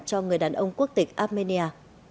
cho người đàn ông quốc tịch armenia